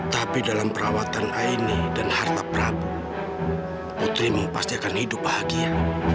tapi dalam perawatan aini dan harta prabu putrimu pasti akan hidup bahagia